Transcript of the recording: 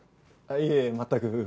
いえ全く。